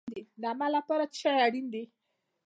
د عمل لپاره څه شی اړین دی؟